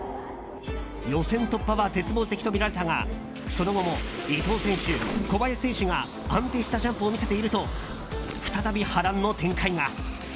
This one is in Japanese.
予選突破は絶望的とみられたがその後も伊藤選手、小林選手が安定したジャンプを見せていると再び波乱の展開が。